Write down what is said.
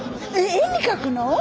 絵に描くの？